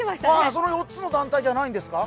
その４つの団体じゃないんですか？